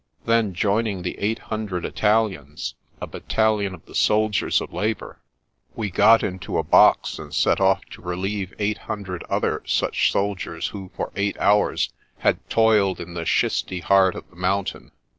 Then, joining the eight hundred Italians, — ^a battalion of the soldiers of Labour, — ^we got into a box, and set off to relieve eight hundred other such soldiers who for eight hours had toiled in the schisty heart of the moun tain.